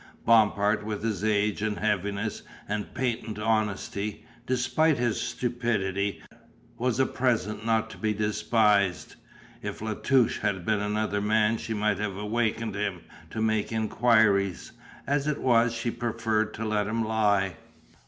Bompard with his age and heaviness and patent honesty, despite his stupidity, was a presence not to be despised. If La Touche had been another man she might have awakened him to make enquiries. As it was, she preferred to let him lie.